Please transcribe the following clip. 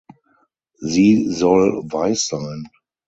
Sie soll weiß sein.